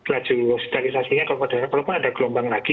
laju sterilisasinya kalau ada gelombang lagi